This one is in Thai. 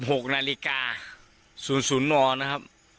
อุณหลายกรูนาฬิกา๐๐นเนอร์